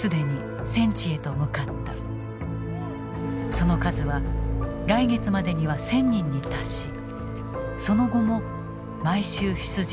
その数は来月までには１，０００人に達しその後も毎週出陣するという。